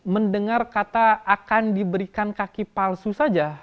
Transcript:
mendengar kata akan diberikan kaki palsu saja